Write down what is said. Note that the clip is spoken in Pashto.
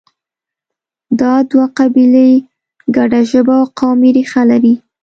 دا دوه قبیلې ګډه ژبه او قومي ریښه لري.